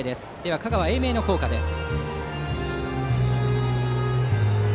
香川・英明の校歌です。